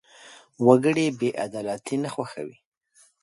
وګړي بېعدالتي نه خوښوي.